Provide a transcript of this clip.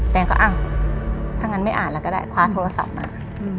แนนก็อ้าวถ้างั้นไม่อ่านแล้วก็ได้คว้าโทรศัพท์มา